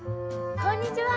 こんにちは。